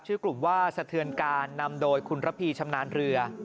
ชื่อกลุ่มว่าสะเทือนการนำโดยคุณระพีชำนาญเรือ